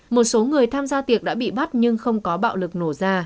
một số người tham gia tiệc đã bị bắt nhưng không có bạo lực nổ ra